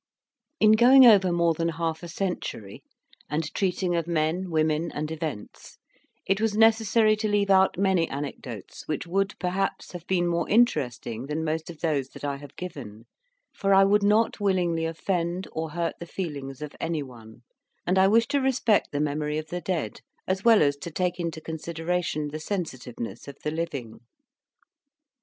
In going over more than half a century, and treating of men, women and events, it was necessary to leave out many anecdotes which would, perhaps, have been more interesting than most of those that I have given; for I would not willingly offend, or hurt the feelings of any one, and I wish to respect the memory of the dead, as well as to take into consideration the sensitiveness of the living.